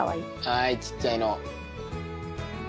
はいちっちゃいの。